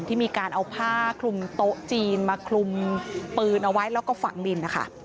ที่มีการเอาผ้าคลุมโต๊ะจีนมาคลุมปืนเอาไว้แล้วก็ฝังดินนะคะ